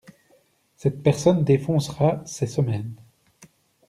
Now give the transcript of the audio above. Cette personne défoncera ces semaines.